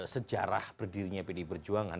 sejarah berdirinya pd perjuangan